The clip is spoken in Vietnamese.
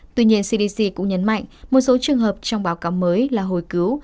tuy nhiên cdc cũng nhấn mạnh một số trường hợp trong báo cáo mới là hồi cứu